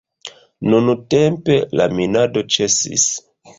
Nuntempe la minado ĉesis.